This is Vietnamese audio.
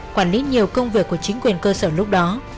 quản lý nhiều công việc của chính quyền cơ sở lúc đó